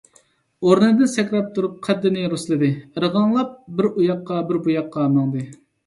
ئورنىدىن سەكرەپ تۇرۇپ، قەددىنى رۇسلىدى، ئىرغاڭلاپ بىر ئۇ ياققا - بىر بۇ ياققا ماڭدى.